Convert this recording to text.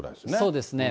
そうですね。